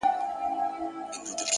د ذهن رڼا د ژوند لار روښانوي